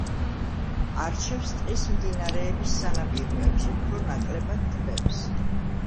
არჩევს ტყის მდინარეების სანაპიროებს, უფრო ნაკლებად ტბებს.